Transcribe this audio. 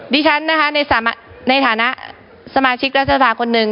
ดิฉันนะคะในฐานะสมาชิกรัฐสภาคนหนึ่ง